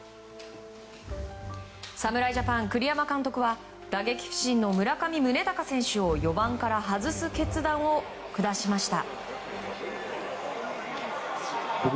侍ジャパン、栗山監督は打撃不振の村上宗隆選手を４番から外す決断を下しました。